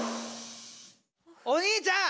お兄ちゃん！